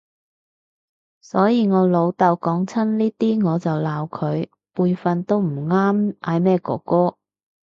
所以我老豆講親呢啲我就鬧佢，輩份都唔啱嗌咩哥哥